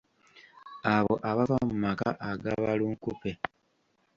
Abo abava mu maka aga balunkupe.